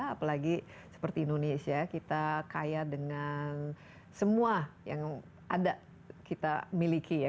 apalagi seperti indonesia kita kaya dengan semua yang ada kita miliki ya